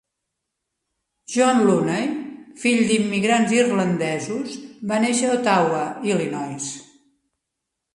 John Looney, fill d'immigrants irlandesos, va néixer a Ottawa, Illinois.